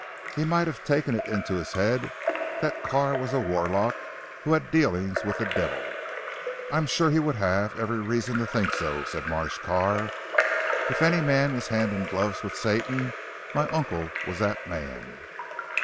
He might have taken it into his head, that Carr was a warlock who had dealings with the devil" "I am sure he would have every reason to think so," said Marsh Carr, "if any man was hand in glove with Satan, my uncle was that man."